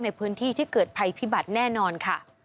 ในพื้นที่ที่เกิดภัยพิบัติแน่นอนค่ะ